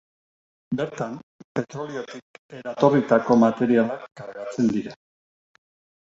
Bertan, petroliotik eratorritako materialak kargatzen dira.